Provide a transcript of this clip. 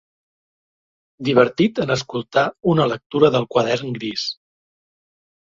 Divertit en escoltar una lectura del Quadern Gris.